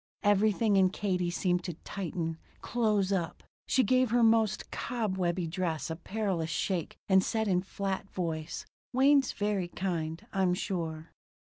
Everything in Katie seemed to tighten close up. She gave her most cobwebby dress a perilous shake and said in flat voice: "Wayne's very kind, I'm sure."